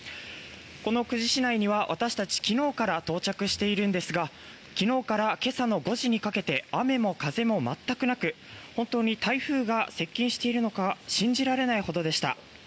この久慈市内には私たち昨日から到着しているんですが昨日から今朝の５時にかけて雨も風も全くなく本当に台風が接近しているのか信じられないほどでした。